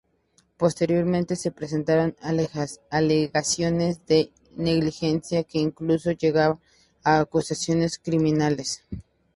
Posteriormente, se presentaron alegaciones de negligencia que incluso llegaron a acusaciones criminales.